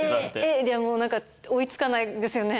もう何か追い付かないですよね。